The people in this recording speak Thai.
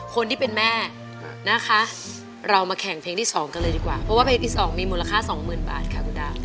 คนที่เป็นแม่นะคะเรามาแข่งเพลงที่๒กันเลยดีกว่าเพราะว่าเพลงที่๒มีมูลค่าสองหมื่นบาทค่ะคุณดำ